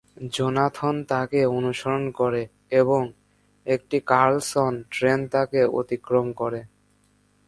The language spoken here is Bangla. যোনাথন তাকে অনুসরণ করে এবং একটি কার্লসন ট্রেন তাকে অতিক্রম করে।